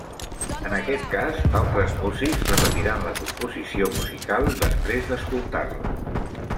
En aquest cas, altres músics repetiran la composició musical després d'escoltar-la.